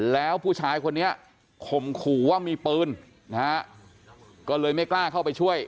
แล้วผู้ชายคนนี้ข่มขู่ว่ามีปืนนะฮะก็เลยไม่กล้าเข้าไปช่วย